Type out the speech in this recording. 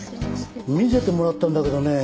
見せてもらったんだけどね